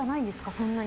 そんなに。